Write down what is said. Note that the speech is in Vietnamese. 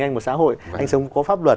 anh một xã hội anh sống có pháp luật